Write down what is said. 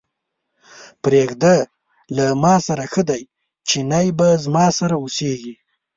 پرېږده له ماسره ښه دی، چينی به زما سره اوسېږي.